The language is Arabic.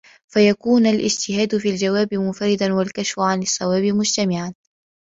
فَيَكُونَ الِاجْتِهَادُ فِي الْجَوَابِ مُنْفَرِدًا وَالْكَشْفُ عَنْ الصَّوَابِ مُجْتَمِعًا